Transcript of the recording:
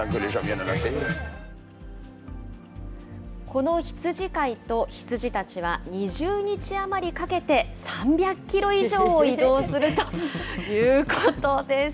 この羊飼いと羊たちは、２０日余りかけて、３００キロ以上を移動するということです。